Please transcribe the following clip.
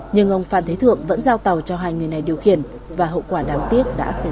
nhưng ông phan thế thượng vẫn giao tàu cho hai người này điều khiển và hậu quả đáng tiếc đã xảy ra